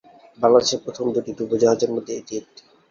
বাংলাদেশের প্রথম দুটি ডুবোজাহাজের মধ্যে এটি একটি।